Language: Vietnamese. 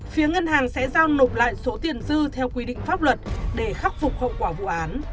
phía ngân hàng sẽ giao nộp lại số tiền dư theo quy định pháp luật để khắc phục hậu quả vụ án